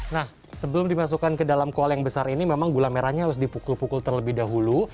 nah sebelum dimasukkan ke dalam kual yang besar ini memang gula merahnya harus dipukul pukul terlebih dahulu